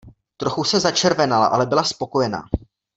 Trochu se začervenala, ale byla spokojená.